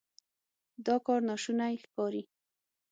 دا کار ناشونی ښکاري.